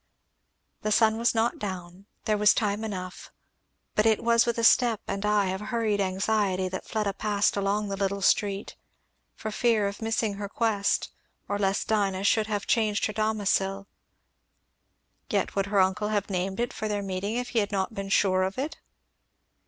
The sun was not down, there was time enough, but it was with a step and eye of hurried anxiety that Fleda passed along the little street, for fear of missing her quest or lest Dinah should have changed her domicil. Yet would her uncle have named it for their meeting if he had not been sure of it?